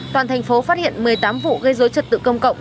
toàn thành phố phát hiện một mươi tám vụ gây dối trật tự công cộng